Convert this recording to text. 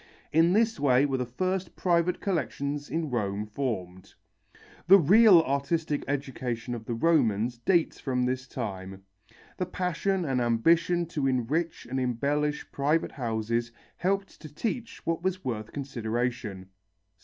In this way were the first private collections in Rome formed. The real artistic education of the Romans dates from this time. The passion and ambition to enrich and embellish private houses helped to teach what was worth consideration.